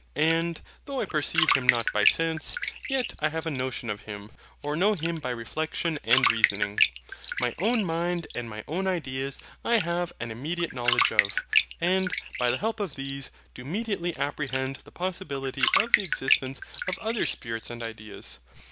And, though I perceive Him not by sense, yet I have a notion of Him, or know Him by reflexion and reasoning. My own mind and my own ideas I have an immediate knowledge of; and, by the help of these, do mediately apprehend the possibility of the existence of other spirits and ideas.